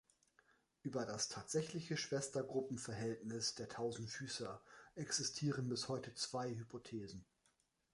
Über das tatsächliche Schwestergruppenverhältnis der Tausendfüßer existieren bis heute zwei Hypothesen.